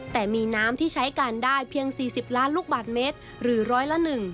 แต่มีน้ำที่ใช้กันได้เพียง๔๐ล้านลูกบาทเมตรหรือร้อยละ๑